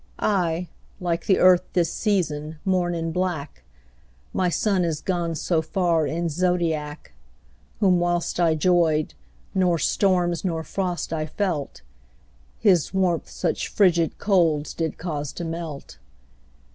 I, like the Earth this season, mourn in black, My Sun is gone so far in's zodiac, Whom whilst I 'joyed, nor storms, nor frost I felt, His warmth such fridged colds did cause to melt.